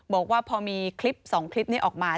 บอกว่าพอมีคลิป๒คลิปนี้ออกมา